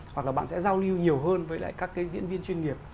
hoặc là bạn sẽ giao lưu nhiều hơn với lại các cái diễn viên chuyên nghiệp